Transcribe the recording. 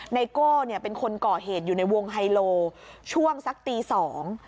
ไโก้เนี่ยเป็นคนก่อเหตุอยู่ในวงไฮโลช่วงสักตีสอง